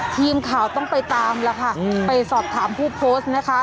ทีมข่าวต้องไปตามแล้วค่ะไปสอบถามผู้โพสต์นะคะ